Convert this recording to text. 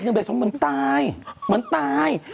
เหมือนตายเหมือนตาย